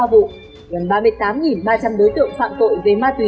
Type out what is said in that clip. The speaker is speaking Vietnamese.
hai mươi sáu một trăm chín mươi ba vụ gần ba mươi tám ba trăm linh đối tượng phạm tội về ma túy